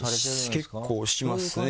結構しますね。